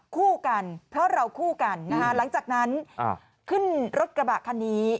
คู่กันเพราะเราคู่กันนะคะหลังจากนั้นขึ้นรถกระบะคันนี้